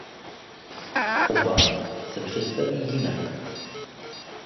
Oba se představí jinak.